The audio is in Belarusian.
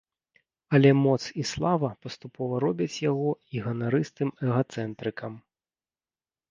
Але моц і слава паступова робяць яго і ганарыстым эгацэнтрыкам.